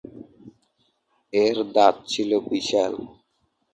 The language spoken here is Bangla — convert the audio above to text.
এর দাঁত ছিল বিশাল।